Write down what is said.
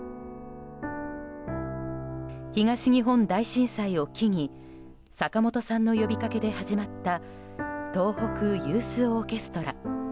東日本大震災を機に坂本さんの呼びかけで始まった東北ユースオーケストラ。